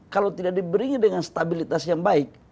kalau tidak diberinya dengan stabilitas yang baik